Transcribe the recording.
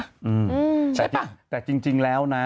ใช่ปะแต่จริงแล้วนะ